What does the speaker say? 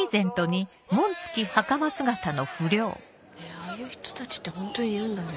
ああいう人たちってホントにいるんだね。